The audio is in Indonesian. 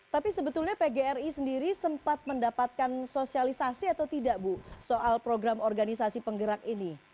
tapi sebetulnya pgri sendiri sempat mendapatkan sosialisasi atau tidak bu soal program organisasi penggerak ini